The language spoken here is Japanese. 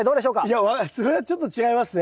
いやそれはちょっと違いますね。